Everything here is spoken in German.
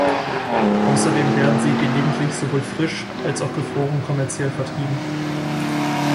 Außerdem werden sie gelegentlich sowohl frisch als auch gefroren kommerziell vertrieben.